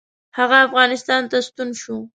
هغه افغانستان ته ستون شو.